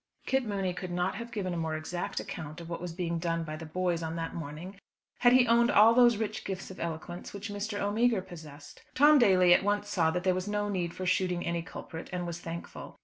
Kit Mooney could not have given a more exact account of what was being done by "the boys" on that morning had he owned all those rich gifts of eloquence which Mr. O'Meagher possessed. Tom Daly at once saw that there was no need for shooting any culprit, and was thankful.